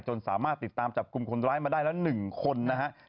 สามารถติดตามจับกลุ่มคนร้ายมาได้แล้ว๑คนนะครับ